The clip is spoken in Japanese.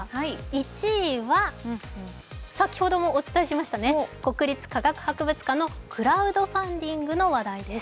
１位は最ほどもお伝えしましたね、国立科学博物館のクラウドファンディングの話題です。